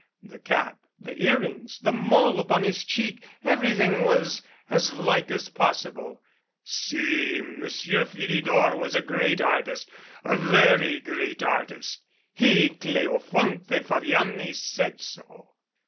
The cap, the earrings, the mole upon his cheek everything was as like as possible. Si, Monsieur Philidor was a great artist a very great art ist. He, Cleofonte Fabiani, said so.